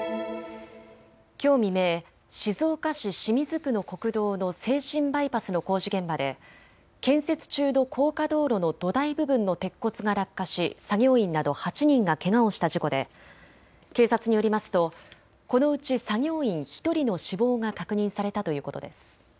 きょう未明、静岡市清水区の国道の静清バイパスの工事現場で建設中の高架道路の土台部分の鉄骨が落下し、作業員など８人がけがをした事故で警察によりますとこのうち作業員１人の死亡が確認されたということです。